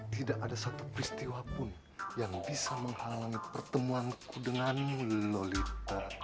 tidak ada satu peristiwa pun yang bisa menghalangi pertemuanku denganmu lolita